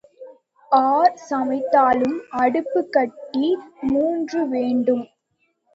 R சமைத்தாலும் அடுப்புக் கட்டி மூன்று வேண்டும்.